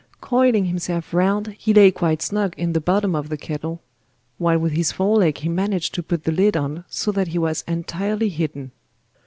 Coiling himself round he lay quite snug in the bottom of the kettle, while with his fore leg he managed to put the lid on, so that he was entirely hidden.